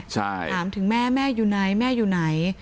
ถามถึงแม่แม่อยู่ไหนแม่อยู่ไหน